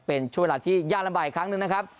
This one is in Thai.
เป็นช่วงเวลาที่ยากลำบากอีกครั้งหนึ่งนะครับ